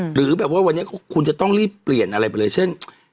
หรือแบบว่าวันนี้คุณจะต้องรีบเปลี่ยนอะไรไปเลยเช่น